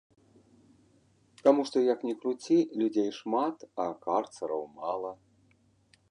Таму што, як ні круці, людзей шмат, а карцараў мала.